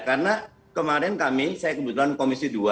karena kemarin kami saya kebetulan komisi dua